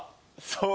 そう。